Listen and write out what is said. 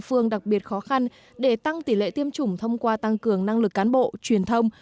phương đặc biệt khó khăn để tăng tỷ lệ tiêm chủng thông qua tăng cường năng lực cán bộ truyền thông